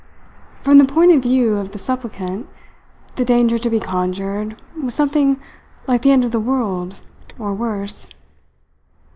From the point of view of the supplicant, the danger to be conjured was something like the end of the world, or worse.